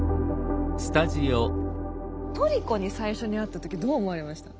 トリコに最初に会った時どう思われました？